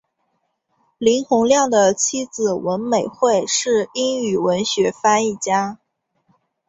林洪亮的妻子文美惠是英语文学翻译家。